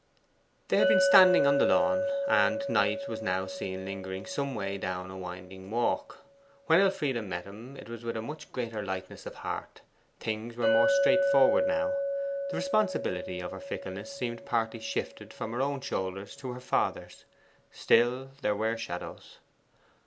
They had been standing on the lawn, and Knight was now seen lingering some way down a winding walk. When Elfride met him, it was with a much greater lightness of heart; things were more straightforward now. The responsibility of her fickleness seemed partly shifted from her own shoulders to her father's. Still, there were shadows.